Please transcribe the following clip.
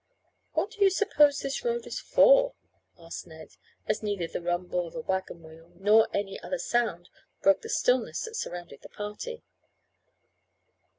"What do you suppose this road is for?" asked Ned, as neither the rumble of a wagon wheel nor any other sound broke the stillness that surrounded the party.